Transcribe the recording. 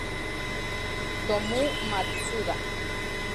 Tsutomu Matsuda